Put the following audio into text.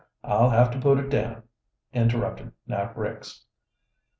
I'll have to put it down," interrupted Nat Ricks.